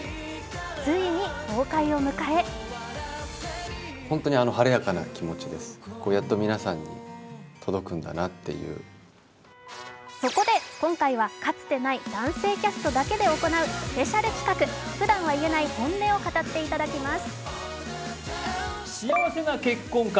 ついに公開を迎えそこで今回は、かつてない男性キャストだけで行うスペシャル企画、ふだんは言えない本音を語っていただきます。